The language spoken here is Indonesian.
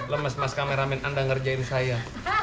lemes mas kameramen anda ngerjain saya